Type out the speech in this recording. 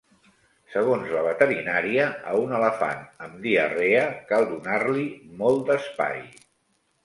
Segons la veterinària, a un elefant amb diarrea cal donar-li molt d'espai.